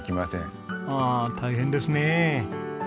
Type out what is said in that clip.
ああ大変ですねえ。